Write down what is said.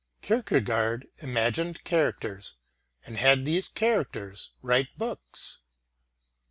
Kierkegaard imagined characters and had these characters write books.